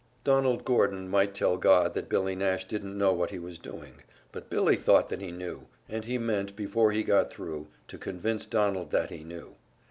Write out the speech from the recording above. Donald Gordon might tell God that Billy Nash didn't know what he was doing, but Billy thought that he knew, and he meant before he got thru to convince Donald that he knew.